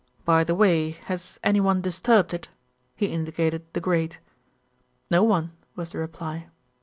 By the way, has anyone disturbed it?" He indicated the grate. "No one," was the reply.